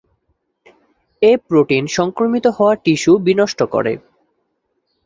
এ protein সংক্রমিত হওয়া tissue বিনষ্ট করে।